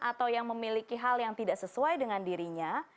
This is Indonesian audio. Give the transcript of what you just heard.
atau yang memiliki hal yang tidak sesuai dengan dirinya